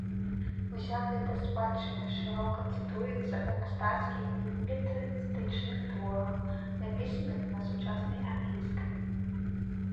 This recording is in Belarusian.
Уся гэта спадчына шырока цытуецца ў мастацкіх і публіцыстычных творах, напісаных на сучаснай англійскай.